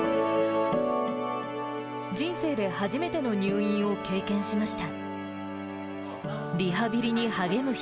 人生で初めての入院を経験しました。